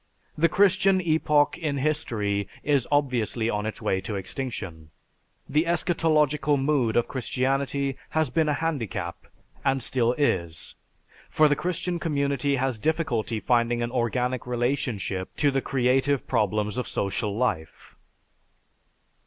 The Christian epoch in history is obviously on its way to extinction. The eschatological mood of Christianity has been a handicap, and still is, for the Christian community has difficulty finding an organic relationship to the creative problems of social life."